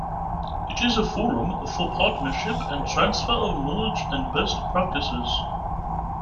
It is a forum for partnership and transfer of knowledge and best practices.